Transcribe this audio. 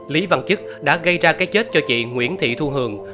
lý văn chức đã gây ra cái chết cho chị nguyễn thị thu hường